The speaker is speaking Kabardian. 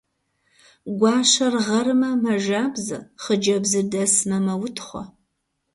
Гуащэр гъэрмэ, мэжабзэ, хъыджэбзыр дэсмэ, мэутхъуэ.